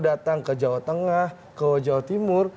datang ke jawa tengah ke jawa timur